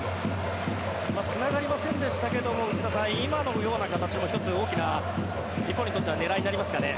つながりませんでしたが内田さん、今のよう形も１つ大きな、日本にとっては狙いになりますかね。